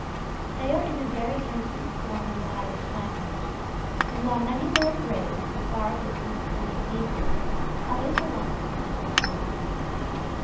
They are in a very antique form of the Irish language; and while many were engraved in far distant pagan ages, others belong to Christian times.